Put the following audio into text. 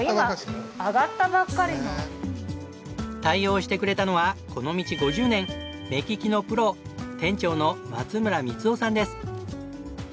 対応してくれたのはこの道５０年目利きのプロ店長の松村光男さんです。